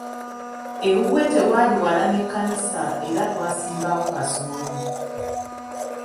Ewuwe tewaali wala n'ekkanisa era twasimbawo kasooli.